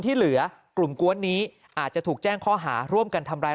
ที่เหลือกลุ่มกวนนี้อาจจะถูกแจ้งข้อหาร่วมกันทำร้าย